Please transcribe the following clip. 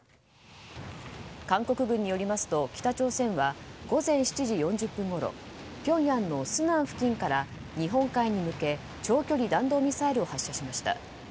韓国軍によりますと北朝鮮は午前７時４０分ごろピョンヤンのスナン付近から日本海に向け長距離弾道ミサイルを発射しました。